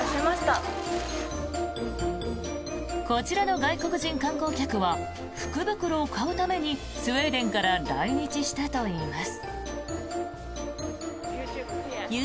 こちらの外国人観光客は福袋を買うためにスウェーデンから来日したといいます。